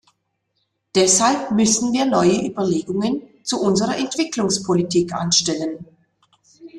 Deshalb müssen wir neue Überlegungen zu unserer Entwicklungspolitik anstellen.